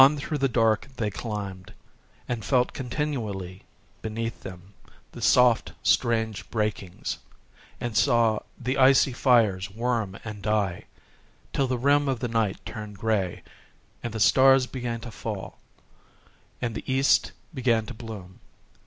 On through the dark they climbed,—and felt continually beneath them the soft strange breakings,—and saw the icy fires worm and die,—till the rim of the night turned grey, and the stars began to fail, and the east began to bloom.